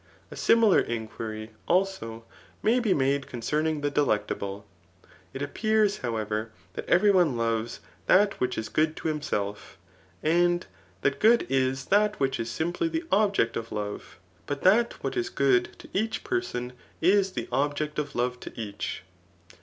A similar inquiry, also, may be made con cerning the delectable. It appears, however, that every one loves that which is good to himself; and that good is that which is simply the object of love, but that what Digitized by Google CHAP. II. ETHICS. 291 is good to each person, is the object of love to each.